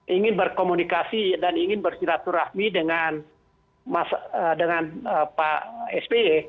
ingin berkomunikasi dan ingin bersiraturahmi dengan pak sp